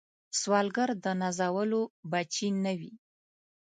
سوالګر د نازولو بچي نه وي